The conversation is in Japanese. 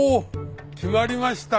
決まりましたか。